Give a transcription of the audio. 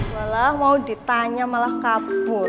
malah mau ditanya malah kabur